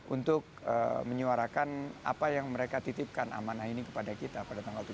untuk menyuarakan apa yang mereka titipkan amanah ini kepada kita pada tanggal tujuh belas